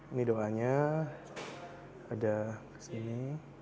ini doanya ada kesini